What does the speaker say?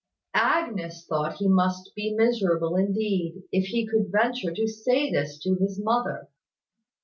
Agnes thought he must be miserable indeed, if he could venture to say this to his mother.